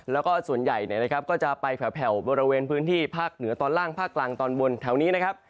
แล้วก็ส่วนใหญ่เนี่ยนะครับก็จะไปแผ่วบริเวณพื้นที่ภาคเหนือตอนล่างภาคกลางตอนบนแถวนี้นะครับ